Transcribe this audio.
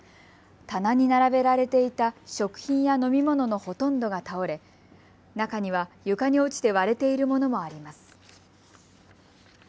棚に並べられていた食品や飲み物のほとんどが倒れ中には床に落ちて割れているものもあります。